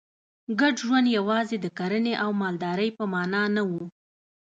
ګډ ژوند یوازې د کرنې او مالدارۍ په معنا نه و